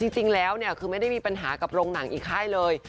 จริงแล้วเนี่ยคือไม่ได้มีปัญหากับโรงหนังอีกค่ายเลย